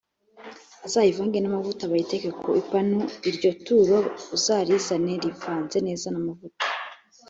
bazayivange n amavuta bayiteke ku ipanu a iryo turo uzarizane rivanze neza n amavuta